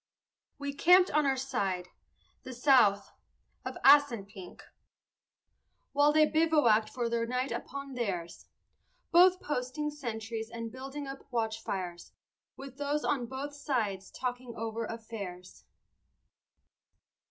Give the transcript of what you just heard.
We camped on our side the south of Assunpink, While they bivouacked for the night upon theirs; Both posting sentries and building up watchfires, With those on both sides talking over affairs.